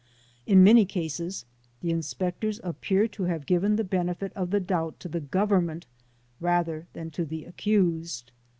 In many cases the inspectors ap pear to have given the benefit of the doubt to the Gov ernment rather than to the accused.